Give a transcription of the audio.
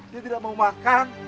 dia tidak mau makan